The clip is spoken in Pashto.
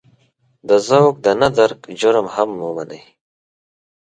د ذوق د نه درک جرم هم ومني.